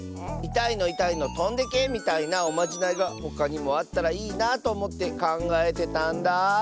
「いたいのいたいのとんでけ」みたいなおまじないがほかにもあったらいいなあとおもってかんがえてたんだ。